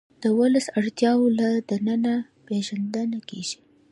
د ولس اړتیاوې له ننه پېژندل کېږي.